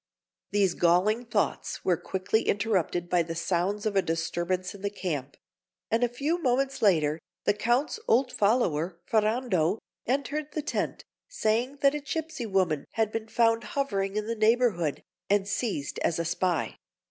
These galling thoughts were quickly interrupted by the sounds of a disturbance in the camp; and a few moments later, the Count's old follower, Ferrando, entered the tent, saying that a gipsy woman had been found hovering in the neighbourhood, and seized as a spy.